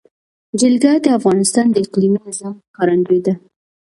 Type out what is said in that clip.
جلګه د افغانستان د اقلیمي نظام ښکارندوی ده.